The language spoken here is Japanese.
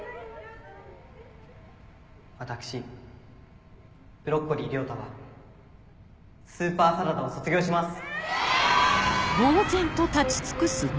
私ブロッコリー涼太はスーパーサラダを卒業します。